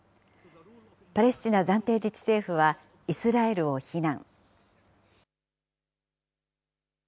パレスチナ暫定自治政府は、イスラエルを非難。